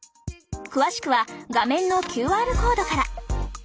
詳しくは画面のＱＲコードから。